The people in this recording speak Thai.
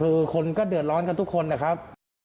คือคนก็เดือดร้อนกันทุกคนนะครับ